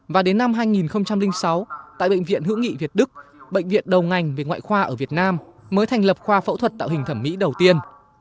và đến năm hai nghìn sáu tại bệnh viện hữu nghị việt đức bệnh viện đầu ngành về ngoại khoa ở việt nam mới thành lập khoa phẫu thuật tạo hình thẩm mỹ đầu tiên